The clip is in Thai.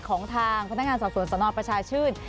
ของทางพนักงานสอบสวนสนประชาชื่น